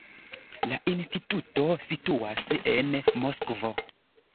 La instituto situas en Moskvo.